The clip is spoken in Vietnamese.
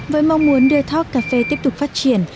với mong muốn để talk cafe tiếp tục phát triển